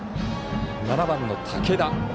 ７番の武田。